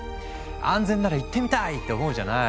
安全なら行ってみたい！って思うじゃない？